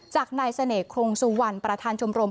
จากนายเสน่หงสุวรรณประธานชมรม